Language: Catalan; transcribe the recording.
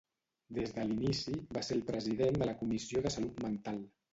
Des de l'inici va ser el president de la Comissió de Salut Mental.